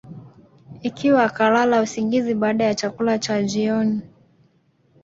Ikiwa akalala usingizi baada ya chakula cha jioni